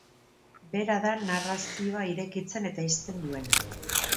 Bera da narrazioa irekitzen eta ixten duena.